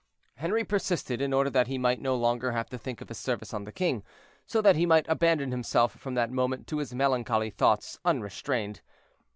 Henri persisted, in order that he might no longer have to think of his service on the king, so that he might abandon himself from that moment to his melancholy thoughts unrestrained.